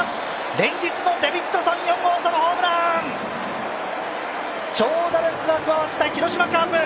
連日のデビッドソン４号ソロホームラン瓶長打力が加わった広島カープ。